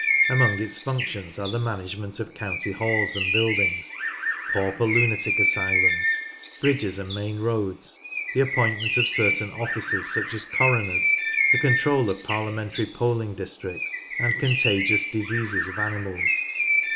Among its functions are the management of county halls and buildings, pauper lunatic asylums, bridges and main roads, the appointment of cer tain officers such as coroners, the control of parliamentary polling districts and contagious diseases of animals.